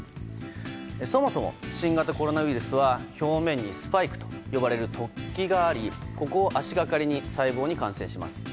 そもそも、新型コロナウイルスは表面にスパイクと呼ばれる突起がありここを足掛かりに細胞に感染します。